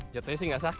jatuhnya sih tidak sakit